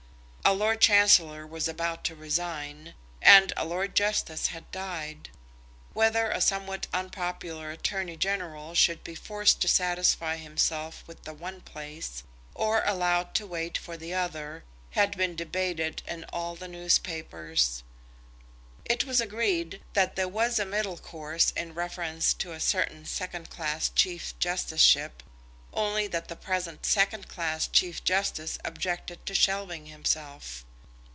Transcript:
A Lord Chancellor was about to resign, and a Lord Justice had died. Whether a somewhat unpopular Attorney General should be forced to satisfy himself with the one place, or allowed to wait for the other, had been debated in all the newspapers. It was agreed that there was a middle course in reference to a certain second class Chief Justiceship, only that the present second class Chief Justice objected to shelving himself.